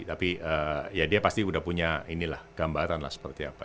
tapi ya dia pasti udah punya inilah gambaran lah seperti apa